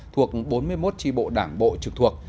thuộc bốn mươi một tri bộ đảng bộ trực thuộc